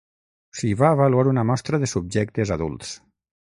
S'hi va avaluar una mostra de subjectes adults.